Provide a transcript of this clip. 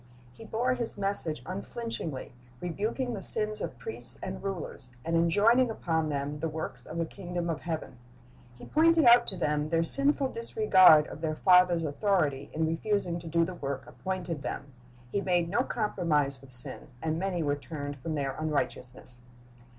He bore his message unflinchingly, rebuking the sins of priests and rulers, and enjoining upon them the works of the kingdom of heaven. He pointed out to them their sinful disregard of their Father's authority, in refusing to do the work appointed them. He made no compromise with sin, and many were turned from their unrighteousness.